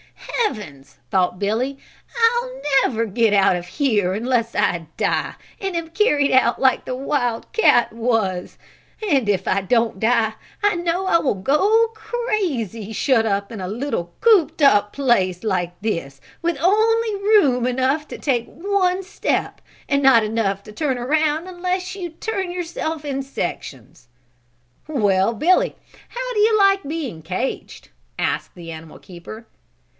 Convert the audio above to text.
"Heavens!" thought Billy, "I'll never get out of here unless I die and am carried out like the wild cat was, and if I don't die I know I will go crazy, shut up in a little cooped up place like this, with only room enough to take one step and not enough to turn around unless you turn yourself in sections." "Well, Billy, how do you like being caged?" asked the animal keeper.